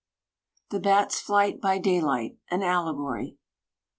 =The Bat's Flight By Daylight An Allegory=.